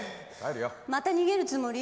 また逃げるつもり？